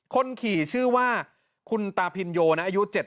คนขี่ชื่อว่าคุณตาพินโยนะอายุ๗๐